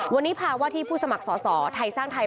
วันนี้ภาวะที่ผู้สมัครสอสอไทยสร้างไทย